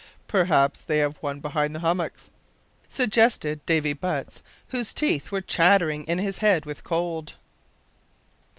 "Perhaps they have one behind the hummocks," suggested Davy Butts, whose teeth were chattering in his head with cold.